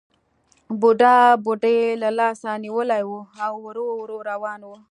بوډا بوډۍ له لاسه نیولې وه او ورو ورو روان وو